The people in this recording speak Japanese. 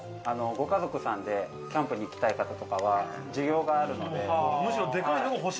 ご家族さんでキャンプに行きたい方とかは需要があるので。